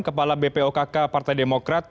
kepala bpokk partai demokrat